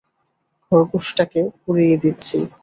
খরগোশটাকে উড়িয়ে দিচ্ছি।